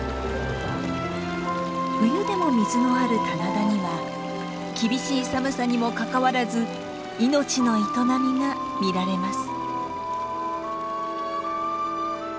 冬でも水のある棚田には厳しい寒さにもかかわらず命の営みが見られます。